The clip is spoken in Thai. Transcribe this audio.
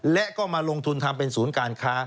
และก็มาลงทุนทำเป็นศูนย์การค้า